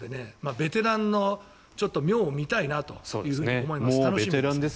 ベテランの妙を見たいなと思います。